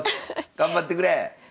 頑張ってくれ！